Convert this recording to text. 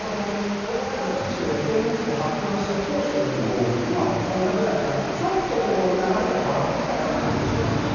大坂選手がＳＮＳで発表した当初より１０日くらい経って流れが変わってきた印象もあります。